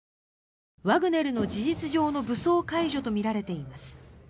ワグネルの事実上の武装解除とみられています。